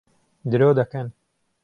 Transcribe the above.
درۆ دەکەن.